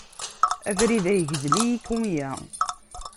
Abrid-a yegdel i yikumya.